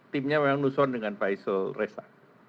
timnya memang nusron dengan faisal reza